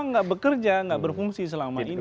kenapa gak bekerja gak berfungsi selama ini